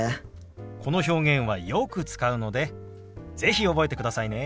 この表現はよく使うので是非覚えてくださいね。